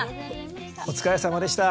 お疲れさまでした。